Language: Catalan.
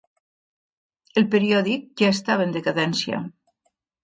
El periòdic ja estava en decadència.